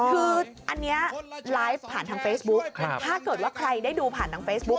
คืออันนี้ไลฟ์ผ่านทางเฟซบุ๊คถ้าเกิดว่าใครได้ดูผ่านทางเฟซบุ๊ค